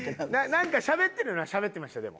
なんかしゃべってるのはしゃべってましたでも。